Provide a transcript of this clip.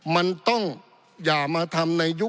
ปี๑เกณฑ์ทหารแสน๒